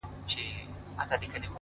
نورو ته مي شا کړې ده تاته مخامخ یمه ـ